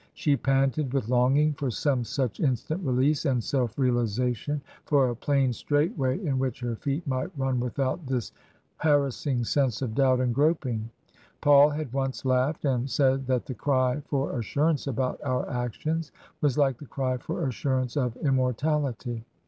She panted with longing for some such instant release and self realization — for a plain, straight way in which her feet might run without this harassing sense of doubt and groping. Paul had once laughed and said that the cry for assurance about our actions was like the cry for assurance of immortality.